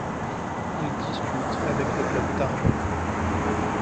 Il dispute avec le club tarbais.